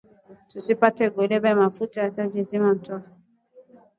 Usitape gulube mafuta ata zima moto